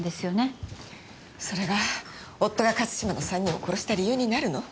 それが夫が勝島の３人を殺した理由になるの？